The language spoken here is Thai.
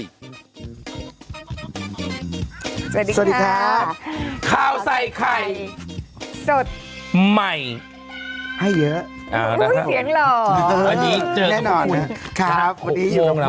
สวัสดีครับข้าวใส่ไข่สดใหม่ให้เยอะอุ้ยเสียงหล่ออันนี้เจอกับคุณครับ